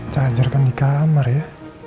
charger kan dikamar ya